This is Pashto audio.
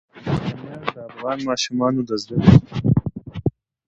بامیان د افغان ماشومانو د زده کړې موضوع ده.